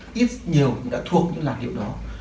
ai ít nhiều cũng đã thuộc những làng điệu đó